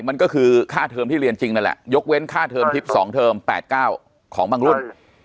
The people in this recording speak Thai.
มันก็คือค่าเทอมที่เรียนจริงนั่นแหละยกเว้นค่าเทอมทิพย์๒เทอม๘๙ของบางรุ่น